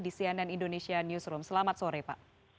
di cnn indonesia newsroom selamat sore pak